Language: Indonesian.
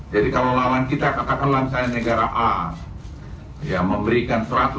jadi kalau lawan kita katakanlah misalnya negara a yang memberikan seratus